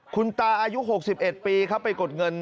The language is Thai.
คุณตาอายุ๖๑ปีครับไปกดเงิน